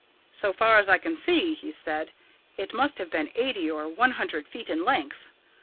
'So far as I could see,' he said, 'it must have been eighty or one hundred feet in length.